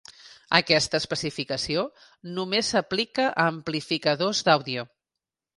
Aquesta especificació només s'aplica a amplificadors d'àudio.